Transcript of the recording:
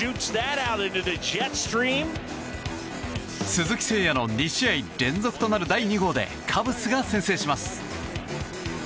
鈴木誠也の２試合連続となる第２号でカブスが先制します。